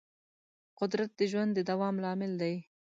قدرت د ژوند د دوام لامل دی.